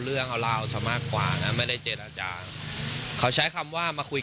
เรื่องเขาเล่าสมัครกว่าไม่ได้เจ็ดอาจารย์เขาใช้คำว่ามาคุย